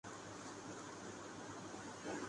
مجھے اس کشمکش سے کیسے نجات ملے؟